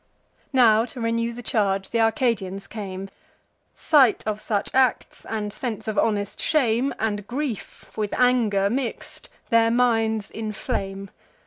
Now, to renew the charge, th' Arcadians came: Sight of such acts, and sense of honest shame, And grief, with anger mix'd, their minds inflame.